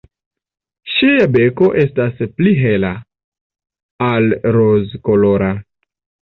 Ŝia beko estas pli hela, al rozkolora.